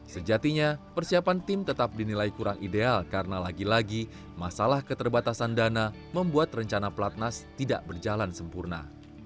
sejatinya persiapan tim tetap dinilai kurang ideal karena lagi lagi masalah keterbatasan dana membuat rencana pelatnas tidak berjalan sempurna